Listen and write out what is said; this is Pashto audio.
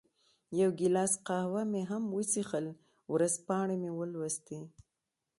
یو ګیلاس قهوه مې هم وڅېښل، ورځپاڼې مې ولوستې.